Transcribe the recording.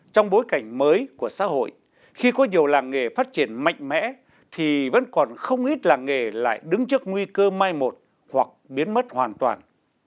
trong bối cảnh mới của xã hội khi có nhiều làng nghề phát triển mạnh mẽ thì vẫn còn không ít làng nghề lại đứng trước nguy cơ mai một hoặc biến mất hoàn toàn